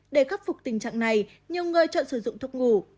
để khắc phục tình trạng này nhiều người chọn sử dụng thuốc ngủ